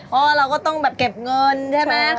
เพราะว่าเราก็ต้องแบบเก็บเงินใช่ไหม